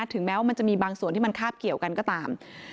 ถึงแม้ว่ามันจะมีบางส่วนที่มันคาบเกี่ยวกันก็ตาม